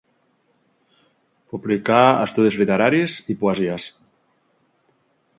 Publicà estudis literaris i poesies.